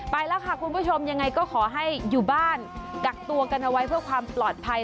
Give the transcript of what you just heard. ไปแล้วค่ะคุณผู้ชมยังไงก็ขอให้อยู่บ้านกักตัวกันเอาไว้เพื่อความปลอดภัย